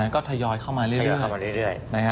ก็ทยอยเข้ามาเรื่อย